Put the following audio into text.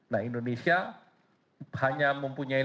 nah indonesia hanya mempunyai